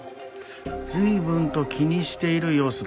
随分と気にしている様子だったと。